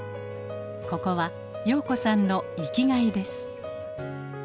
ここは陽子さんの生きがいです。